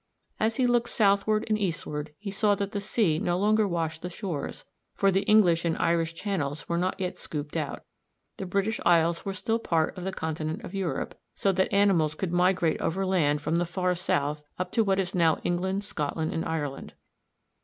As he looked southward and eastward he saw that the sea no longer washed the shores, for the English and Irish Channels were not yet scooped out. The British Isles were still part of the continent of Europe, so that animals could migrate overland from the far south, up to what is now England, Scotland, and Ireland.